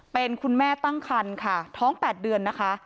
เป็นคุณแม่ตั้งคันค่ะท้อง๘เดือนนะคะ